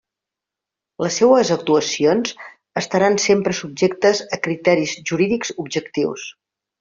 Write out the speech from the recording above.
Les seues actuacions estaran sempre subjectes a criteris jurídics objectius.